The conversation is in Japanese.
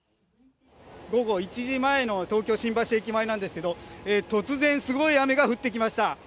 午後１時前の東京・新橋駅前なんですけれども、突然、すごい雨が降ってきました。